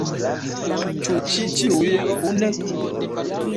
Ĉu ĉi ĉiuj kune?